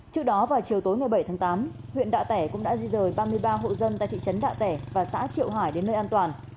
trước đó vào chiều tối một mươi bảy tháng tám huyện đạ tẻ cũng đã di rời ba mươi ba hộ dân tại thị trấn đạ tẻ và xã triệu hải đến nơi an toàn